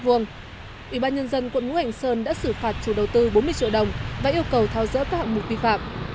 ủy ban nhân dân tp hành sơn đã xử phạt chủ đầu tư bốn mươi triệu đồng và yêu cầu thao dỡ các hậu mục vi phạm